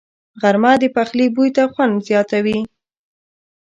غرمه د پخلي بوی ته خوند زیاتوي